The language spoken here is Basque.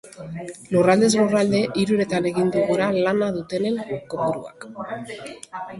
Lurraldez lurralde, hiruretan egin du gora lana dutenen kopuruak.